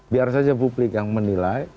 biar saja publik yang menilai